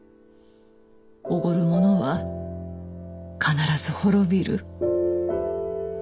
おごる者は必ず滅びる。